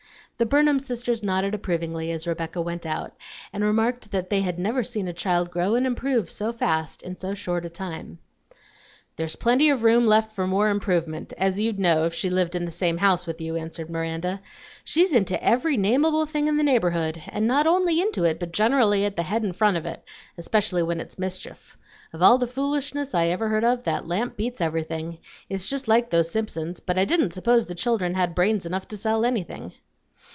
The Burnham sisters nodded approvingly as Rebecca went out, and remarked that they had never seen a child grow and improve so fast in so short a time. "There's plenty of room left for more improvement, as you'd know if she lived in the same house with you," answered Miranda. "She's into every namable thing in the neighborhood, an' not only into it, but generally at the head an' front of it, especially when it's mischief. Of all the foolishness I ever heard of, that lamp beats everything; it's just like those Simpsons, but I didn't suppose the children had brains enough to sell anything."